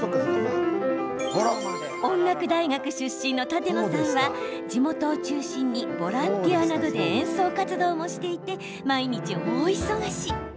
音楽大学出身の舘野さんは地元を中心にボランティアなどで演奏活動もしていて毎日、大忙し。